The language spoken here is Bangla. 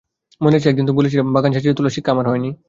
মনে আছে একদিন তুমি বলেছিলে, বাগান সাজিয়ে তোলার শিক্ষা আমার হয় নি।